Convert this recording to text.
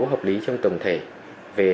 hợp lý trong tổng thể về